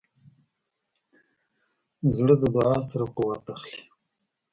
زړه د دعا سره قوت اخلي.